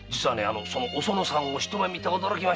おそのさんを一目見て驚きましたねえ。